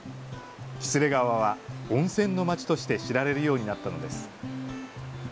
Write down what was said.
喜連川は温泉の街として知られるようになったのです。